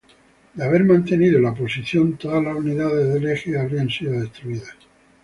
De haber mantenido la posición, todas las unidades del Eje habrían sido destruidas.